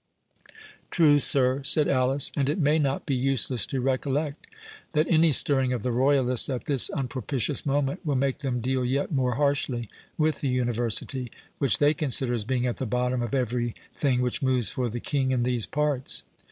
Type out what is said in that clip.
"True, sir," said Alice, "and it may not be useless to recollect, that any stirring of the royalists at this unpropitious moment will make them deal yet more harshly with the University, which they consider as being at the bottom of every thing which moves for the King in these parts."